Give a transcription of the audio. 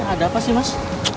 ada apa sih mas